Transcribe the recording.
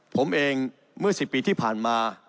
ผมเองเมื่อ๑๐ปีที่ผ่านมา